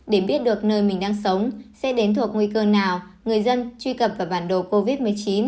để biết được nơi mình đang sống sẽ đến thuộc nguy cơ nào người dân truy cập vào bản đồ covid một mươi chín